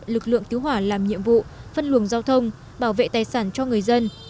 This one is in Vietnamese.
lực lượng cứu hỏa làm nhiệm vụ phân luồng giao thông bảo vệ tài sản cho người dân